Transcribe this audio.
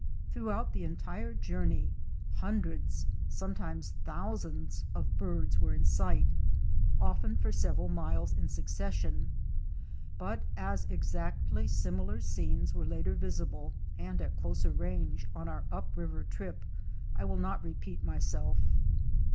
Throughout the entire journey, hundreds, sometimes thousands of birds were in sight, often for several miles in succession; but as exactly similar scenes were later visible and at closer range on our up river trip, I will not repeat myself.